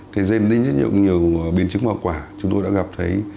thì dành đến rất nhiều biến chứng hoặc quả chúng tôi đã gặp thấy